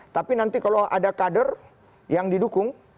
tapi nanti kalau ada kader yang didukung